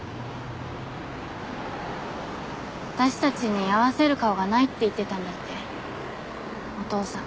私たちに合わせる顔がないって言ってたんだってお父さん。